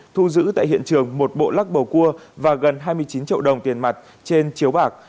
thu giữ tại hiện trường một bộ lắc bầu cua và gần hai mươi chín triệu đồng tiền mặt trên chiếu bạc